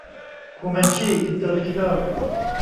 โคแมนชี่ อินเตอร์เนชั่นแนล